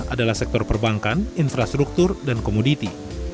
adalah sektor perbankan infrastruktur dan komoditi